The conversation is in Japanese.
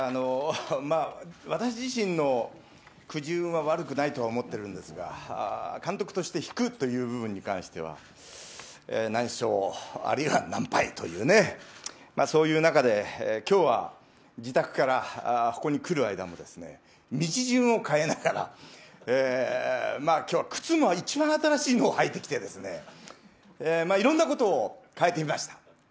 私自身のくじ運は悪くないとは思っているんですが、監督として引くという部分に関しては、何勝何敗というね、そういう中で今日は、自宅からここに来る間も道順を変えながら、今日は靴も一番新しいのを履いてきていろんなことを変えてみました。